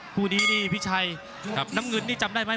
คู่นี้นี่พี่ชัยน้ำเงินนี่จำได้ไหม